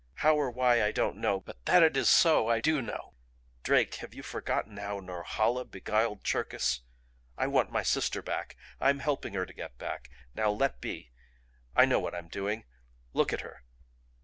How or why I don't know but that it is so I DO know. Drake have you forgotten how Norhala beguiled Cherkis? I want my sister back. I'm helping her to get back. Now let be. I know what I'm doing. Look at her!"